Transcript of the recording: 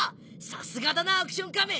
さすがだなアクション仮面！